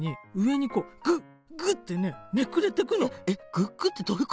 グッグッてどういうこと？